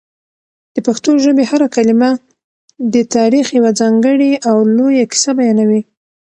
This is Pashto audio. د پښتو ژبې هره کلمه د تاریخ یوه ځانګړې او لویه کیسه بیانوي.